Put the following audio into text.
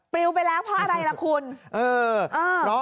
ปริวไปแล้วเพราะอะไรล่ะคุณ